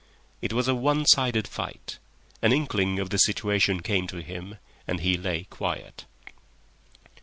It was a one sided fight. An inkling of the situation came to him and he lay quiet.